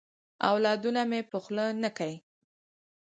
اولادونه مي په خوله نه کیې.